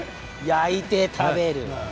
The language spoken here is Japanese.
焼いて食べる。